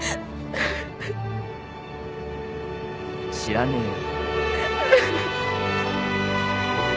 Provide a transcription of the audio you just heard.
知らねえよ。